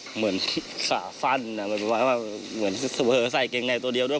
เหมือนสระสั้นเหมือนใส่เกงในตัวเดียวด้วย